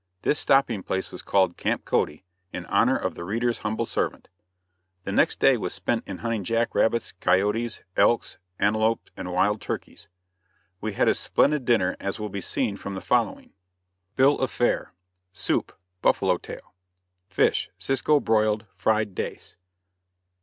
This stopping place was called. Camp Cody, in honor of the reader's humble servant. The next day was spent in hunting jack rabbits, coyotes, elks, antelopes and wild turkeys. We had a splendid dinner as will be seen from the following: BILL OF FARE. SOUP. Buffalo Tail. FISH. Cisco broiled, fried Dace.